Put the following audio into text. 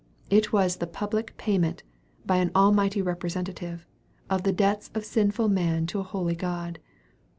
It was the public payment, by an Almighty Representative, of the debts of sinful man to a holy God.